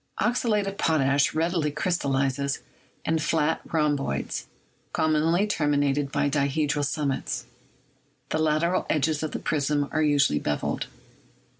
"Oxalate of potash readily crystallizes in flat rhom boids, commonly terminated by dihedral summits. The lateral edges of the prism are usually beveled.